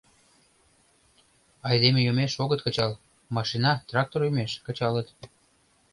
Айдеме йомеш — огыт кычал, машина, трактор йомеш — кычалыт.